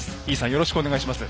よろしくお願いします。